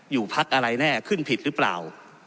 อยู่พักอะไรแน่ขึ้นผิดหรือเปล่า